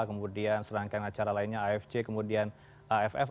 kemudian serangkaian acara lainnya afc kemudian aff